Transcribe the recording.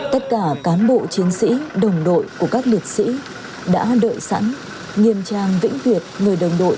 tất cả cán bộ chiến sĩ đồng đội của các liệt sĩ đã đợi sẵn nghiêm trang vĩnh tuyệt người đồng đội